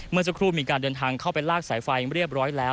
เมื่อสักครู่มีการเดินทางเข้าไปลากสายไฟเรียบร้อยแล้ว